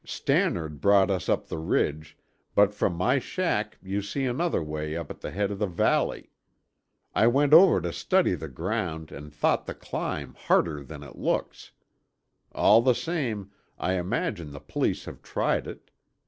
"Stannard brought us up the ridge, but from my shack you see another way up at the head of the valley. I went over to study the ground and thought the climb harder than it looks. All the same, I imagine the police have tried it.